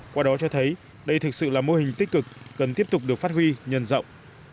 qua đó cho thấy đây thực sự là mô hình tích cực cần tiếp tục được phát huy nhân rộng